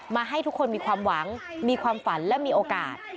ให้ทุกคนมีความหวังมีความฝันและมีโอกาส